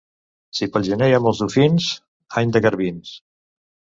Si pel gener hi ha molts dofins, any de garbins.